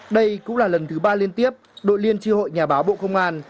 đây cũng là lần thứ ba liên tiếp đội liên tri hội nhà báo bộ công an